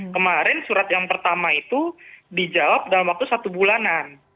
kemarin surat yang pertama itu dijawab dalam waktu satu bulanan